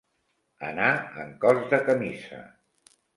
Anar en cos de camisa.